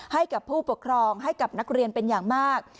ให้กับผู้ปกครองให้กับนักเรียนเป็นอย่างมาก